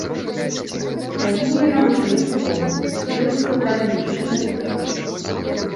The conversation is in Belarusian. Пазней яна вучылася дома, ёй выкладалі мужчыны-рэпетытары.